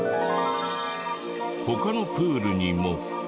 他のプールにも。